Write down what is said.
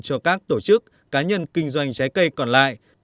cho các tổ chức cá nhân kinh doanh trái cây còn lại